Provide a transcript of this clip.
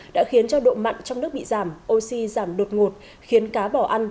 đã khiến cho độ mặn trong nước bị giảm oxy giảm đột ngột khiến cá bỏ ăn